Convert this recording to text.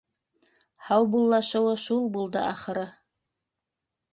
Һаубуллашыуы шул булды, ахыры.